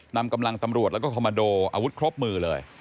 นำกำลังตำรวจแล้วก็คอมมาโดอาวุธครบมือเลย